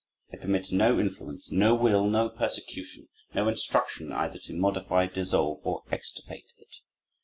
It permits no influence, no will, no persecution, no instruction either to modify, dissolve, or extirpate it.